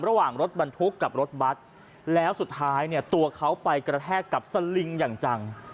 ระหว่างรถบรรทุกกับรถบัตรแล้วสุดท้ายเนี่ยตัวเขาไปกระแทกกับสลิงอย่างจัง